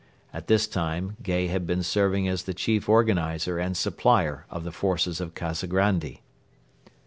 At this time Gay had been serving as the chief organizer and supplier of the forces of Kazagrandi.